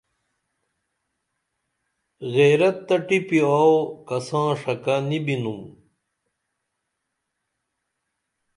غیرت تہ ٹِپی آو کساں ݜکہ نی بینُم